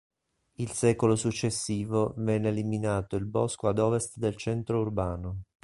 Il secolo successivo venne eliminato il bosco ad ovest del centro urbano.